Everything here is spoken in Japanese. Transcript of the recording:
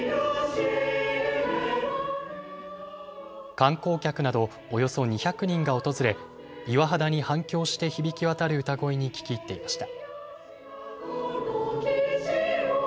観光客などおよそ２００人が訪れ岩肌に反響して響き渡る歌声に聞き入っていました。